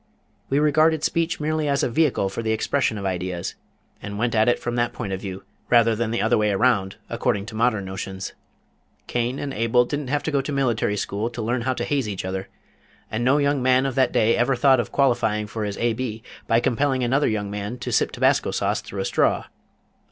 We regarded speech merely as a vehicle for the expression of ideas, and went at it from that point of view, rather than the other way around according to modern notions. Cain and Abel didn't have to go to a military school to learn how to haze each other, and no young man of that day ever thought of qualifying for his A. B. by compelling another young man to sip Tabasco sauce through a straw.